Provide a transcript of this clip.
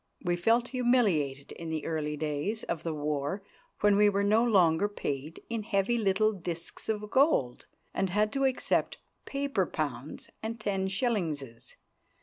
We felt humiliated in the early days of the war when we were no longer paid in heavy little discs of gold, and had to accept paper pounds and ten shillingses.